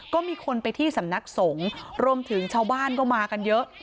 ก็มีคนไปที่สำนักสงฆ์รวมถึงชาวบ้านก็มากันเยอะ